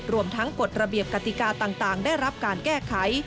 รวมทั้งกฎระเบียบกติกาต่างได้รับการแก้ไข